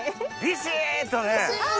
ビシっと。